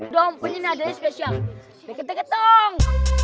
dong penyina dari spesial deket deket ong